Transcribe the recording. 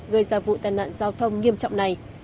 gây ra vụ tai nạn giao thông nghiêm trọng này